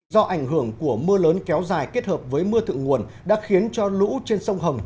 do ảnh hưởng của mưa lớn kéo dài kết hợp với mưa thượng nguồn đã khiến cho lũ trên sông hồng